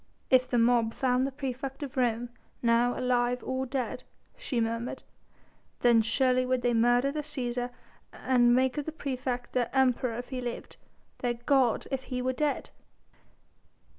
"If the mob found the praefect of Rome now alive or dead," she murmured, "then surely would they murder the Cæsar and make of the praefect their Emperor if he lived, their god if he were dead!"